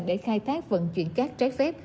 để khai thác vận chuyển các trái phép